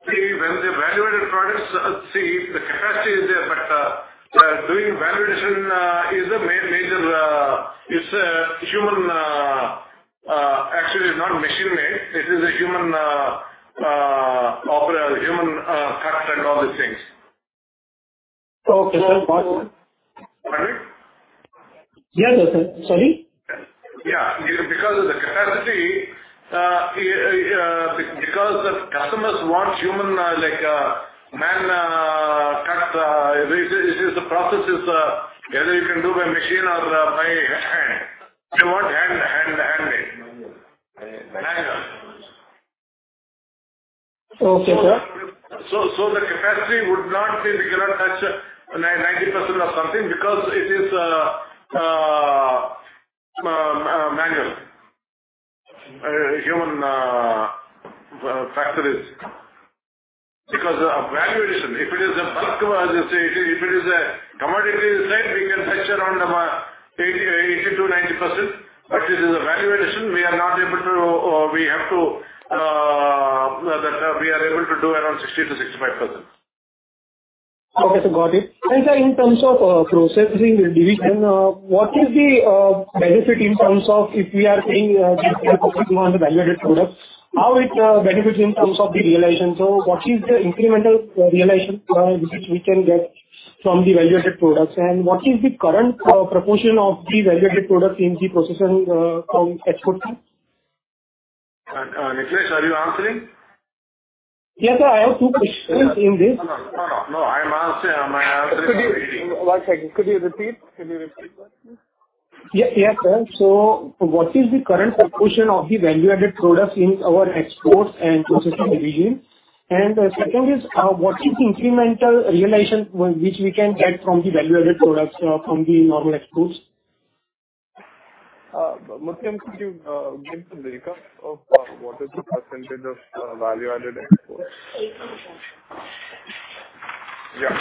Speaker 4: products. When the value-added products, see, the capacity is there, but doing value addition is a major—it's a human, actually not machine made, it is a human, human cut and all these things.
Speaker 8: Okay, sir. Got it.
Speaker 4: Pardon me?
Speaker 8: Yeah, sir. Sorry?
Speaker 4: Yeah. Because the capacity, because the customers want human, like, man, cut, this is the process is, either you can do by machine or by hand. They want hand, hand, handmade. Manual.
Speaker 8: Okay, sir.
Speaker 4: The capacity would not be, we cannot touch 90% or something, because it is manual. Human factories. Because of value addition, if it is a bulk, as you say, if it is a commodity side, we can touch around about 80-90%, but it is a value addition, we are not able to, we have to, that, we are able to do around 60-65%.
Speaker 8: Okay, sir. Got it. And, sir, in terms of processing division, what is the benefit in terms of if we are saying we are focusing on the value-added products, how it benefits in terms of the realization? So what is the incremental realization which we can get from the value-added products? And what is the current proportion of the value-added products in the processing from exports?
Speaker 4: Nikhilesh, are you answering?
Speaker 8: Yes, sir, I have two questions in this.
Speaker 4: No, no, no, I'm asking, I'm asking-
Speaker 5: One second. Could you repeat? Could you repeat that, please?
Speaker 8: Yeah, yes, sir. So what is the current proportion of the value-added products in our exports and processing region? And the second is, what is the incremental realization which we can get from the value-added products, from the normal exports?
Speaker 5: Mukund, could you give the makeup of what is the percentage of value-added exports?
Speaker 1: Eighteen percent.
Speaker 4: Yeah.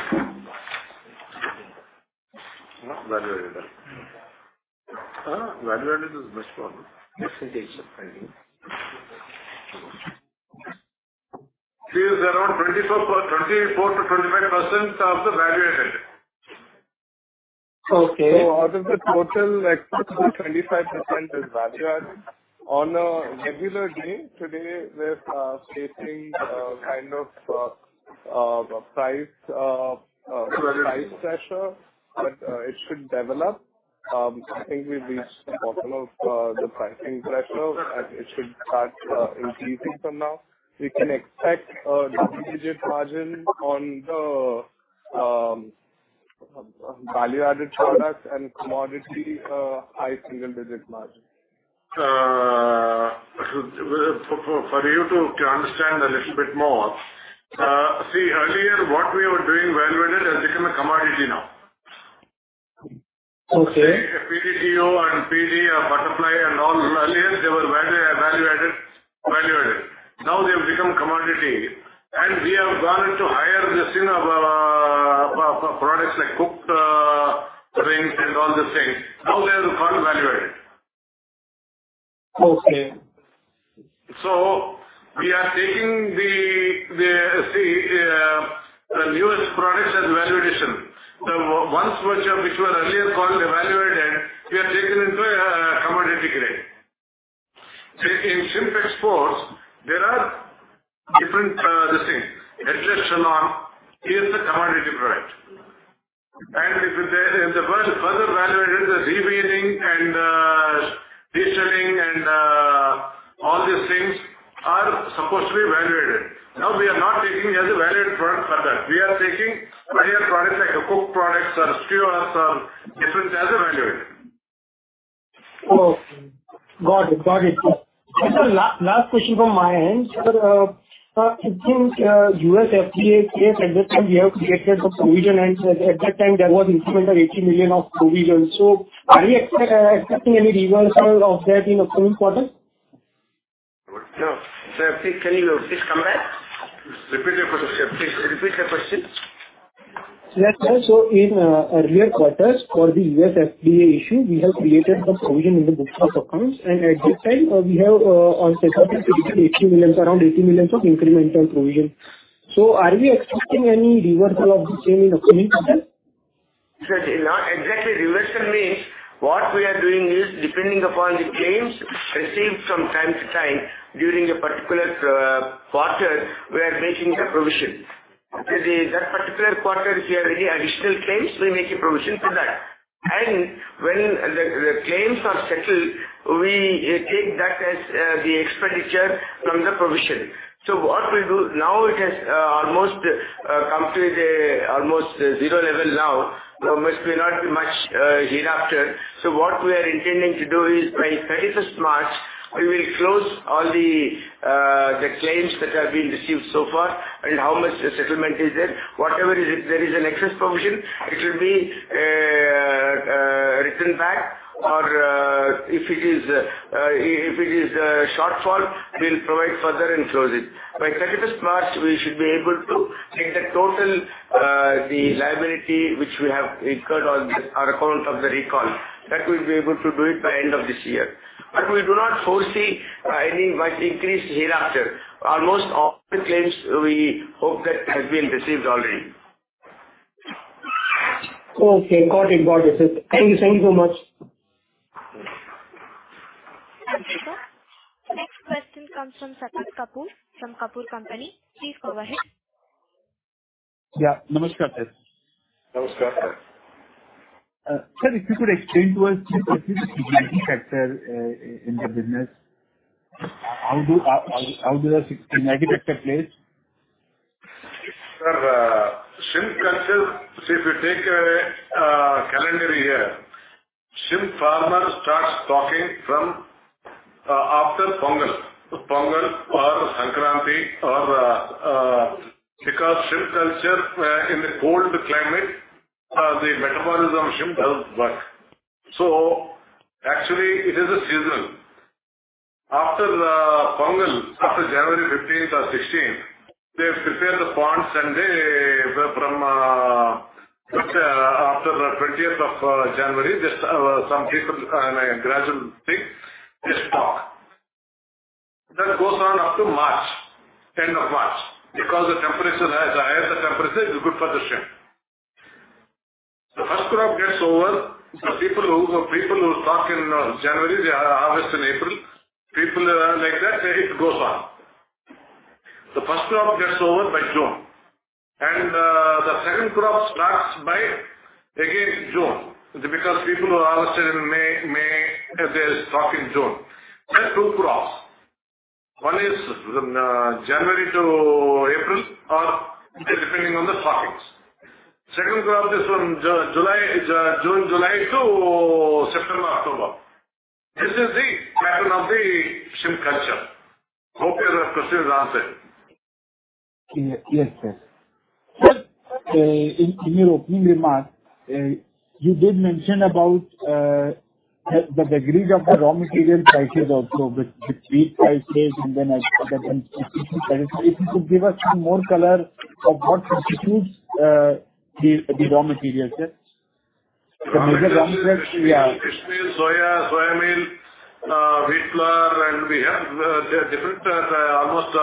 Speaker 4: No, value-added. Value-added is much more.
Speaker 5: Percentage, I think.
Speaker 4: It is around 24-25% of the value-added.
Speaker 8: Okay.
Speaker 5: So out of the total export, 25% is value-added. On a regular day, today, we're facing kind of price pressure, but it should develop. I think we've reached the bottom of the pricing pressure, and it should start increasing from now. We can expect a double-digit margin on the value-added products and commodity high single-digit margin.
Speaker 4: For you to understand a little bit more, see, earlier what we were doing value-added has become a commodity now.
Speaker 5: Okay.
Speaker 4: PDTO and PD, butterfly, and all earlier they were value, value-added, value-added. Now they have become commodity, and we have gone into higher this, you know, products like cooked, rings and all these things. Now they are the current value-added.
Speaker 5: Okay.
Speaker 4: So we are taking see the newest products as value addition. The ones which were earlier called value-added, we have taken into a commodity grade. See, in shrimp exports, there are different things. Headless shrimp is a commodity product. And if there is a further, further value-added, the de-veining and de-shelling and all these things are supposed to be value-added. Now, we are not taking as a value-added product further. We are taking various products like the cooked products or skewers, different as a value-added.
Speaker 8: Oh, got it. Got it. Sir, last question from my end. Sir, I think, USFDA case, at that time, we have created a provision, and at that time there was incremental 80 million of provision. So are we expecting any reversal of that in the coming quarter?
Speaker 2: No, Sir, can you please come back? Repeat the question. Please repeat the question.
Speaker 8: Yes, sir. So in earlier quarters, for the USFDA issue, we have created some provision in the books of accounts, and at this time, we have set up 80 million, around 80 million of incremental provision. So are we expecting any reversal of the same in the coming quarter?
Speaker 2: Sir, not exactly. Reversal means, what we are doing is, depending upon the claims received from time to time during a particular quarter, we are making the provision. So, that particular quarter, if there are any additional claims, we make a provision for that. And when the claims are settled, we take that as the expenditure from the provision. So what we do now, it has almost come to the almost zero level now. There must be not much hereafter. So what we are intending to do is, by thirty-first March, we will close all the claims that have been received so far and how much the settlement is there. Whatever is, there is an excess provision, it will be written back, or, if it is a shortfall, we'll provide further and close it. By thirty-first March, we should be able to take the total, the liability, which we have incurred on the account of the recall. That we'll be able to do it by end of this year. But we do not foresee any much increase hereafter. Almost all the claims, we hope that has been received already.
Speaker 8: Okay, got it. Got it, sir. Thank you. Thank you so much.
Speaker 1: Thank you, sir. The next question comes from Satish Kapoor, from Kapoor & Co. Please go ahead.
Speaker 4: Yeah, Namaskar, sir.
Speaker 2: Namaskar, sir.
Speaker 4: Sir, if you could explain to us the sector in the business, how the sector plays?
Speaker 2: Sir, shrimp culture, see, if you take a calendar year, shrimp farmer starts stocking from after Pongal. Pongal or Sankranti. Because shrimp culture in the cold climate, the metabolism shrimp doesn't work. So actually, it is a seasonal. After Pongal, after January 15th or 16th, they prepare the ponds and they from after 20th of January, just some people gradually, they stock. That goes on up to March, end of March, because the temperature, as higher the temperature, is good for the shrimp. The first crop gets over. The people who, people who stock in January, they harvest in April. People like that, it goes on. The first crop gets over by June, andm again, June, because people who are harvested in May, May, they stock in June. There are two crops. One is, January to April, or depending on the stockings. Second crop is from July, June, July to September, October. This is the pattern of the shrimp culture. Hope your question is answered.
Speaker 9: Yes, sir. In your opening remarks, you did mention about the degree of the raw material prices also, with the feed prices, and then if you could give us some more color of what constitutes the raw materials, sir. The major raw materials, yeah.
Speaker 4: Fish meal, soya, soya meal, wheat flour, and we have different, almost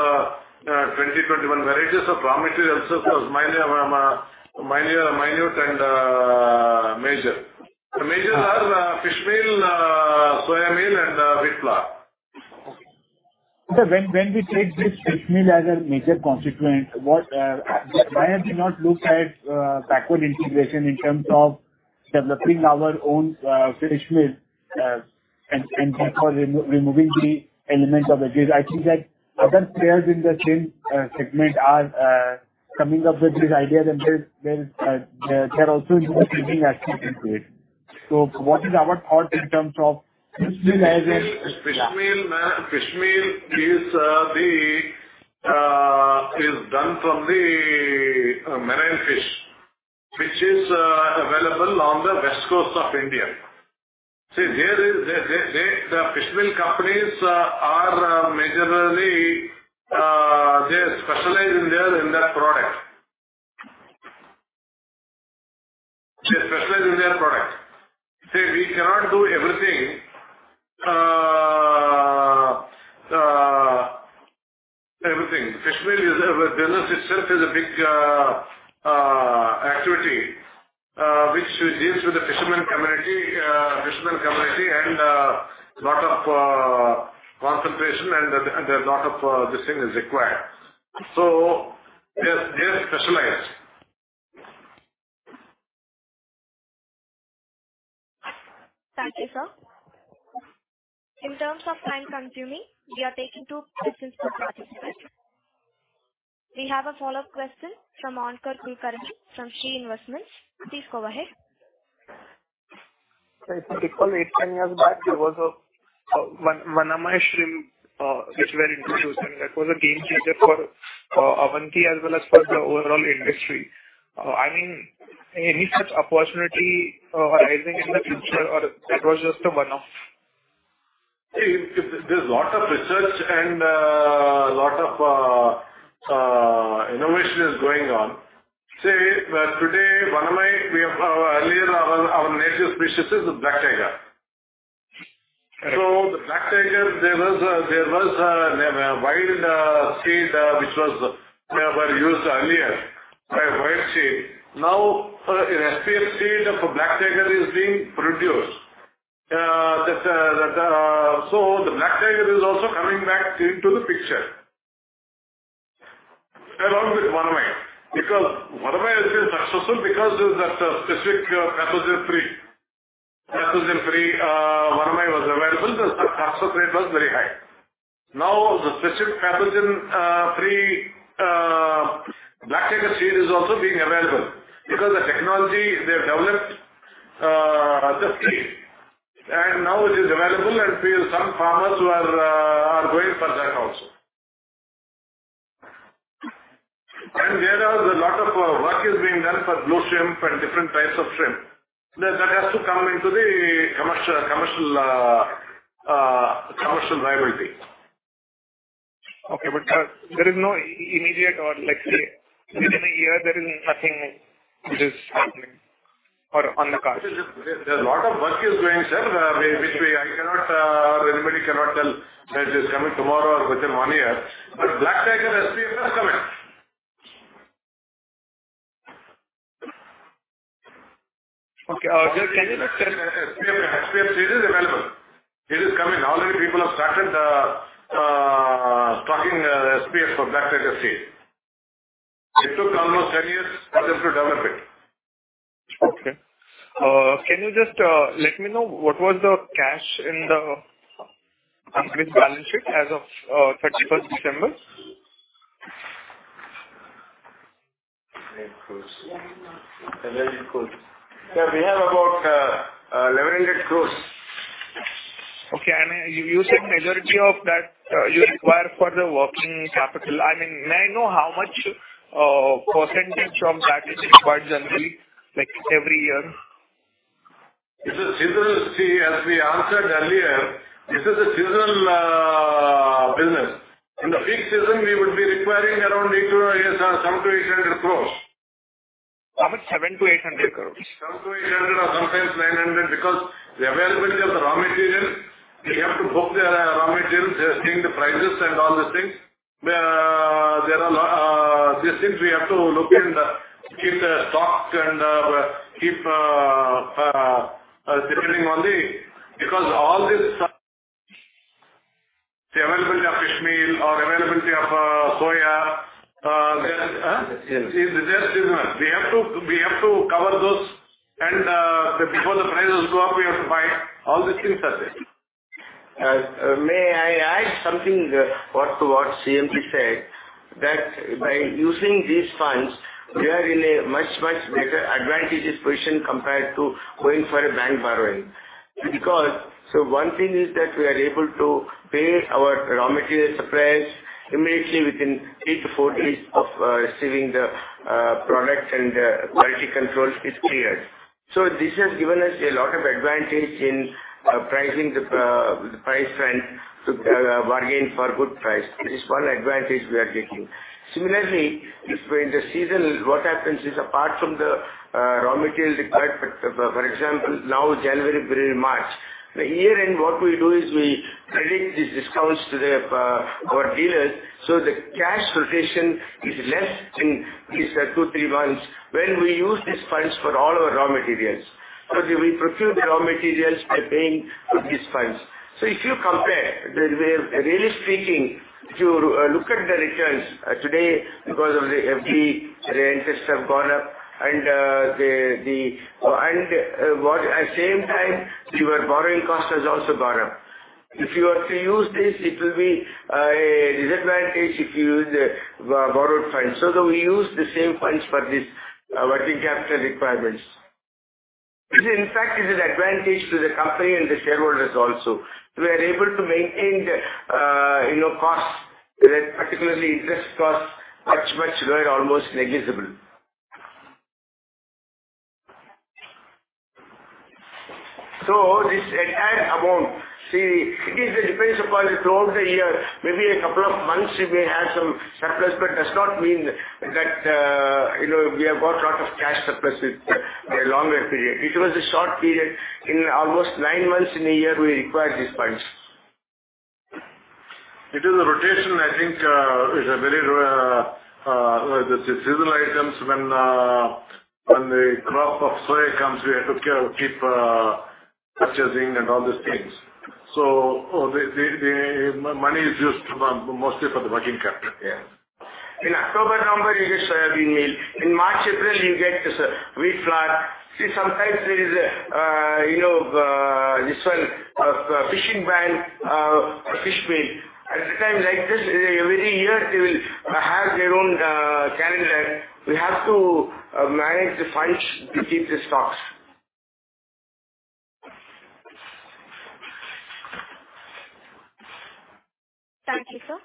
Speaker 4: 21 varieties of raw materials, both minor and major. The major are fish meal, soya meal, and wheat flour.
Speaker 9: Okay. Sir, when we take this fish meal as a major constituent, what, why have you not looked at backward integration in terms of developing our own fish meal, and therefore, removing the element of the risk? I think that other players in the same segment are coming up with this idea, and they're also into the thinking as we can do it. So what is our thought in terms of fish meal as a-
Speaker 4: Fish meal is done from the marine fish, which is available on the west coast of India. See, there is the fish meal companies. They are majorly they specialize in that product. They specialize in their product. See, we cannot do everything, everything. Fish meal is a business itself is a big activity, which deals with the fisherman community, fisherman community, and a lot of concentration, and a lot of this thing is required. So they are specialized.
Speaker 1: Thank you, sir. In terms of time consuming, we are taking two questions per participant. We have a follow-up question from Onkar Kulkarni, from Shree Investments. Please go ahead.
Speaker 3: If you recall, 8-10 years back, there was a Vannamei shrimp, which were introduced, and that was a game changer for Avanti as well as for the overall industry. I mean, any such opportunity arising in the future, or that was just a one-off?
Speaker 4: See, there's lots of research and, lot of, innovation is going on. Today, vannamei, we have earlier our, our native species is the Black Tiger. The Black Tiger, there was a, there was a wild seed, which was, were used earlier, a wild seed. Now, an SPF seed of a Black Tiger is being produced. That, that, so the Black Tiger is also coming back into the picture. Along with vannamei, because vannamei is successful because of that specific pathogen-free. Pathogen-free vannamei was available, the survival rate was very high. Now, the specific pathogen-free Black Tiger seed is also being available, because the technology they have developed, the seed, and now it is available, and we have some farmers who are going for that also. And there is a lot of work is being done for blue shrimp and different types of shrimp. That has to come into the commercial viability.
Speaker 3: Okay, but, there is no immediate or like, say, within a year, there is nothing which is happening or on the cards?
Speaker 4: There's a lot of work is going, sir, which I cannot or anybody cannot tell that is coming tomorrow or within one year. But Black Tiger SPF is coming.
Speaker 3: Okay, can you just-
Speaker 4: SPF, SPF seed is available. It is coming. Already people have started stocking SPF for Black Tiger seed. It took almost 10 years for them to develop it.
Speaker 3: Okay. Can you just let me know what was the cash in the current balance sheet as of thirty-first December?
Speaker 4: Very good. Very good. Sir, we have about 1,100 crore.
Speaker 3: Okay, and you said majority of that you require for the working capital. I mean, may I know how much percentage from that is required generally, like every year?
Speaker 4: It is seasonal. See, as we answered earlier, this is a seasonal, business. In the peak season, we would be requiring around equal, 700 crore-800 crore.
Speaker 3: How much? 700 crore-800 crore.
Speaker 4: 700-800, or sometimes 900, because the availability of the raw material, we have to book the raw materials, seeing the prices and all these things. There are a lot, these things we have to look in, keep the stocks and keep getting only because. There is just, you know, we have to, we have to cover those, and before the prices go up, we have to buy. All these things are there.
Speaker 2: May I add something to what CMD said, that by using these funds, we are in a much, much better advantageous position compared to going for a bank borrowing. Because one thing is that we are able to pay our raw material suppliers immediately within 3-4 days of receiving the product, and the quality control is cleared. So this has given us a lot of advantage in pricing the price and to bargain for good price. This is one advantage we are getting. Similarly, if in the season, what happens is, apart from the raw material required, for example, now January, February, March, the year-end, what we do is we provide these discounts to our dealers, so the cash rotation is less in these two, three months when we use these funds for all our raw materials. So we procure the raw materials by paying with these funds. So if you compare, the way, really speaking, if you look at the returns today, because of the FD, the interests have gone up and what at the same time, your borrowing cost has also gone up. If you are to use this, it will be a disadvantage if you use the borrowed funds. So we use the same funds for this working capital requirements. This, in fact, is an advantage to the company and the shareholders also. We are able to maintain the, you know, costs, particularly interest costs, much, much lower, almost negligible. So this entire amount, see, it depends upon it throughout the year. Maybe a couple of months we may have some surplus, but does not mean that, you know, we have got a lot of cash surpluses for a longer period. It was a short period. In almost nine months in a year, we require these funds.
Speaker 4: It is a rotation, I think, is a very, the seasonal items when the crop of soy comes, we have to care, keep, purchasing and all these things. So the money is used, mostly for the working capital.
Speaker 2: Yeah. In October, November, it is wheat meal. In March, April, you get this wheat flour. See, sometimes there is a you know this one fishing ban or fish meal. At the time like this, every year they will have their own calendar. We have to manage the funds to keep the stocks.
Speaker 1: Thank you, sir.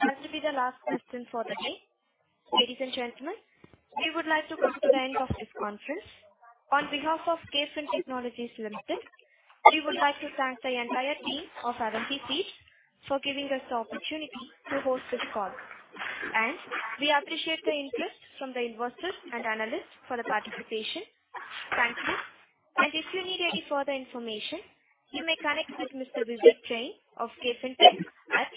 Speaker 1: That will be the last question for the day. Ladies and gentlemen, we would like to come to the end of this conference. On behalf of KFin Technologies Limited, we would like to thank the entire team of Avanti for giving us the opportunity to host this call, and we appreciate the interest from the investors and analysts for the participation. Thank you. If you need any further information, you may connect with Mr. Vivek Jain of KFin Tech at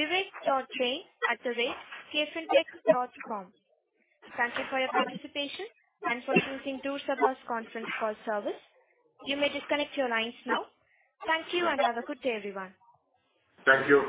Speaker 1: vivek.jain@kfintech.com. Thank you for your participation and for using Tour Sabah's conference call service. You may disconnect your lines now. Thank you, and have a good day, everyone.
Speaker 4: Thank you.